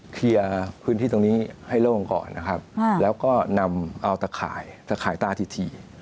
เคลียร์พื้นที่ตรงนี้ให้เล่าให้ก่อนแล้วก็นำเอาตาข่ายตาที่สี่